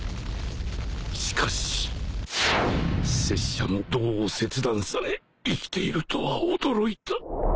しかし拙者も胴を切断され生きているとは驚いた